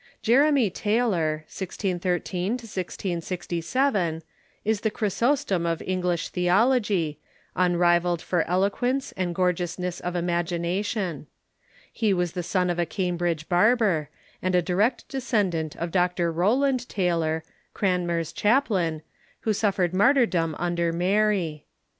Jeremy Taylor (1613 1 66V) is the Chrysostom of English theology, unrivalled for eloquence and gorgeousness of imag ination. He was the son of a Cambridge barber, and a direct descendant of Dr. Rowland Taylor, Cranmer's chaplain, who suffered martyrdom under Mary.